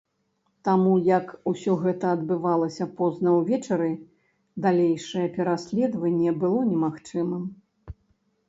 Таму як усё гэта адбывалася позна ўвечары, далейшае пераследаванне было немагчымым.